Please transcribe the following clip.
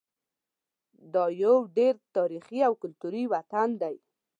دا یو ډېر تاریخي او کلتوري وطن دی.